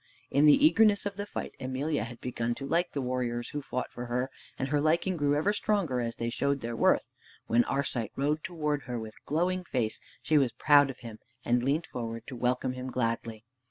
In the eagerness of the fight Emelia had begun to like the warriors who fought for her, and her liking grew ever stronger as they showed their worth. When Arcite rode towards her with glowing face she was proud of him, and leant forward to welcome him gladly.